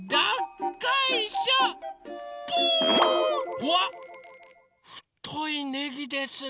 うわっふといねぎですね。